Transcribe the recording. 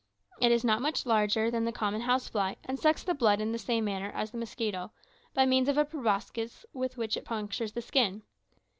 It is not much larger than the common house fly, and sucks the blood in the same manner as the mosquito, by means of a proboscis with which it punctures the skin.